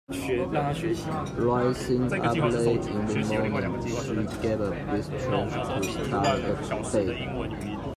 Rising up late in the morning she gave a big stretch to start the day.